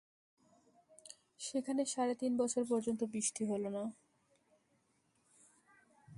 সেখানে সাড়ে তিন বছর পর্যন্ত বৃষ্টি হলো না।